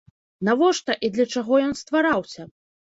Навошта і для чаго ён ствараўся?